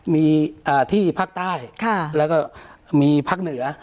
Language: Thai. มีที่ภาคใต้แล้วก็มีภาคเหนือ